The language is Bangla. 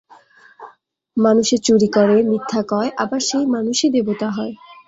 মানুষে চুরি করে, মিথ্যা কয়, আবার সেই মানুষই দেবতা হয়।